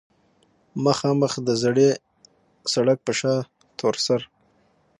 مخامخ د زړې سړک پۀ شا تورسر